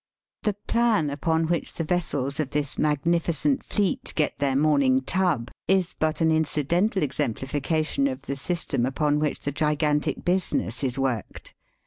The plan upon which the vessels of this magnificent fleet get their morning tub is but an incidental exemplification of the system upon which the gigantic business is worked.